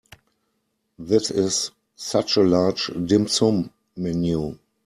This is such a large dim sum menu.